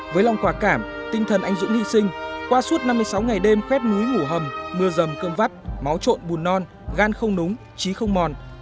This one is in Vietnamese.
với lòng quả cảm tinh thần anh dũng hy sinh qua suốt năm mươi sáu ngày đêm khoét núi ngủ hầm mưa rầm cơm vắt máu trộn bùn non gan không núng trí không mòn